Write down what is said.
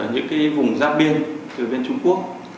những vùng giáp biên từ bên trung quốc